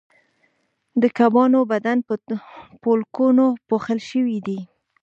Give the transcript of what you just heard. د کبانو بدن په پولکونو پوښل شوی دی